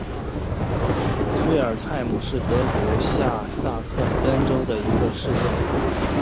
费尔泰姆是德国下萨克森州的一个市镇。